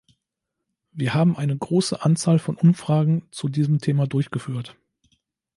Wir haben eine große Anzahl von Umfragen zu diesem Thema durchgeführt.